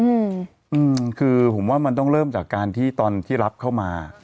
อืมคือผมว่ามันต้องเริ่มจากการที่ตอนที่รับเข้ามา